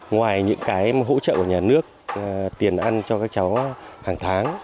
ngoài những cái hỗ trợ của nhà nước tiền ăn cho các cháu hàng tháng